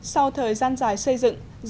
sau thời gian dài xây dựng